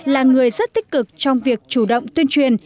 là người rất tích cực trong việc chủ động tuyên truyền